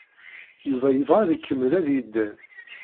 Yuba yebɣa ad ikemmel ad yedder.